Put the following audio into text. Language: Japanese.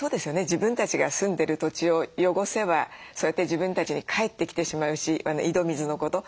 自分たちが住んでる土地を汚せばそうやって自分たちに返ってきてしまうし井戸水のこと。